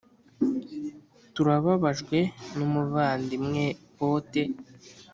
turababajwe 'n'umuvandimwe pote: